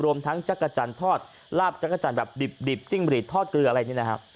รวมทั้งจักรจันทร์ทอดลาบจักรจันทร์แบบดิบจิ้งบรีดทอดเกลืออะไรนี่นะครับ